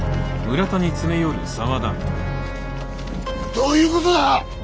どういうことだ！